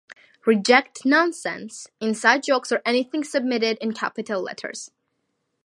Reject nonsense, inside jokes or anything submitted in capital letters.